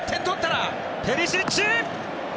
ペリシッチ！